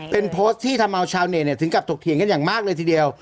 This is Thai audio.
เป็นโพสต์ที่ทำเอาชาวเน็ตถึงกับตกเถียงกันอย่างมากเลยทีเดียว